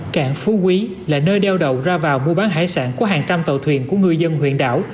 cảng phú quý là nơi đeo đậu ra vào mua bán hải sản của hàng trăm tàu thuyền của người dân huyện đảo